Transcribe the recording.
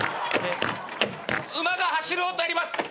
馬が走る音やります。